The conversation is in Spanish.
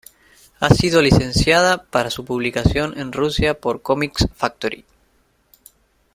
Ha sido licenciada para su publicación en Rusia por Comics Factory.